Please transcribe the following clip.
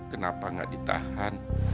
kenapa nggak ditahan